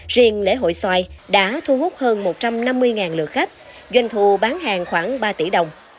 riêng lễ hội xoài đã thu hút hơn một trăm năm mươi lượt khách doanh thu bán hàng khoảng ba tỷ đồng